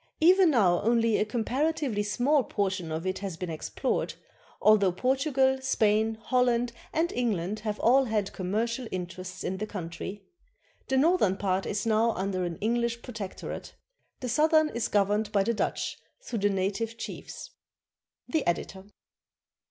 Even now only a comparatively small portion of it has been explored, although Portugal, Spain, Holland, and England have all had commercial interests in the country. The northern part is now under an EngHsh protectorate; the southern is gov erned by the Dutch through the native chiefs. The Editor.